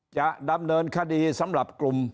จะดำเนินคดีสำหรับกลุ่ม